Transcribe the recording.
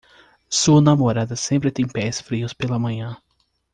Sua namorada sempre tem pés frios pela manhã.